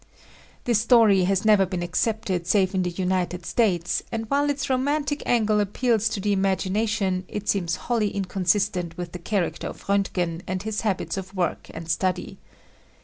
This story has never been accepted save in the United States and while its romantic angle appeals to thc imagination it seems wholly inconsistent with the character of Roentgen and his habits of work and study.